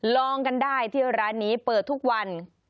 ลองกันได้ที่ร้านนี้เปิดทุกวัน